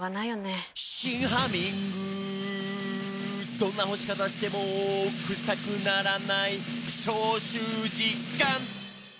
「どんな干し方してもクサくならない」「消臭実感！」